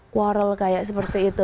quarrel kayak seperti itu